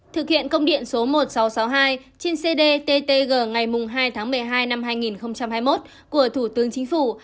thực hiện công điện số một nghìn sáu trăm sáu mươi hai trên cdttg ngày hai tháng một mươi hai năm hai nghìn hai mươi một của thủ tướng chính phủ